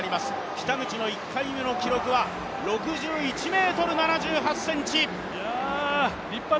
北口の１回目の記録は６１ｍ７８ｃｍ。